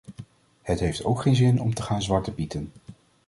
Het heeft ook geen zin om te gaan zwartepieten.